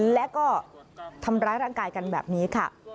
แล้วก็ทำร้ายร่างกายกันแบบนี้ค่ะ